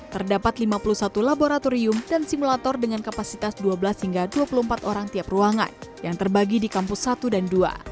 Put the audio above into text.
terdapat lima puluh satu laboratorium dan simulator dengan kapasitas dua belas hingga dua puluh empat orang tiap ruangan yang terbagi di kampus satu dan dua